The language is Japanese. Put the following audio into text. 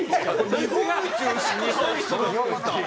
日本一の。